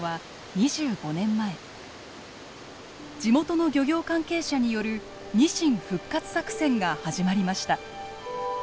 地元の漁業関係者によるニシン復活作戦が始まりました。